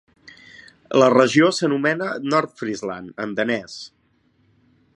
La regió s'anomena "Nordfrisland" en danès.